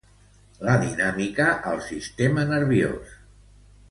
La dinàmica al sistema nerviós.